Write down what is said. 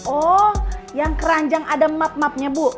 oh yang keranjang ada map mapnya bu